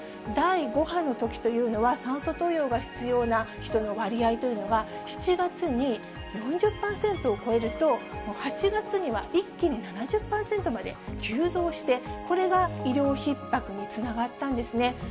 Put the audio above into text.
第５波のときというのは、酸素投与が必要な人の割合というのは、７月に４０％を超えると、８月には一気に７０％まで急増して、これが医療ひっ迫につながったんですね。